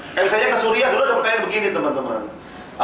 kayak misalnya ke suria dulu ada pertanyaan begini teman teman